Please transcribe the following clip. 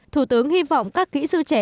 thủ tướng hy vọng các kỹ sư trẻ